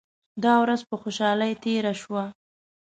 دا ورځ په خوشالۍ تیره شوه.